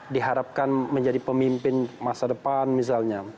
diharapkan menjadi pemimpin masa depan misalnya